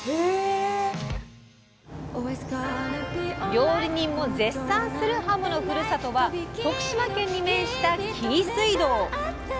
料理人も絶賛するはものふるさとは徳島県に面した紀伊水道。